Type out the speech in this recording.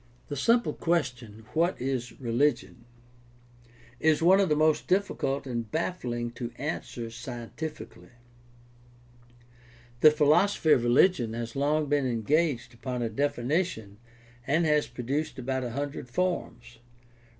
— The simple question, What is religion ? is one of the most difficult and baffling to answer scientifically. The philosophy of religion has long been engaged upon a definition and has produced about a hundred forms.